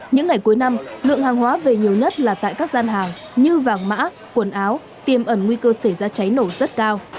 những ngày cuối năm lượng hàng hóa về nhiều nhất là tại các gian hàng như vàng mã quần áo tiềm ẩn nguy cơ xảy ra cháy nổ rất cao